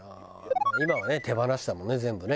今はね手放したもんね全部ね。